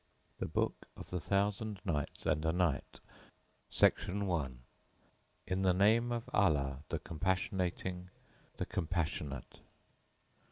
The Book Of The THOUSAND NIGHTS AND A NIGHT (ALF LAYLAH WA LAYLAH.) In the Name of Allah, the Compassionating, the Compassionate!